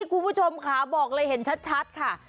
ที่คุณผู้ชมขาบอกเลยเห็นชัดค่ะ